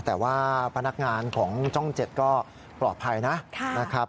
แต่ว่าพนักงานของจ้องเจ็ดก็ปลอดภัยนะค่ะนะครับ